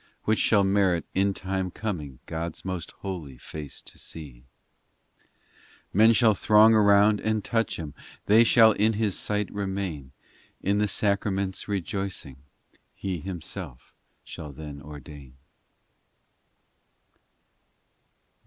Which shall merit in time coming God s Most Holy Face to see ; IX Men shall throng around, and touch, Him, They shall in His sight remain; In the sacraments rejoicing He Himself shall then ordain.